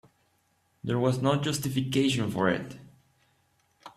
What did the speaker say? There was no justification for it.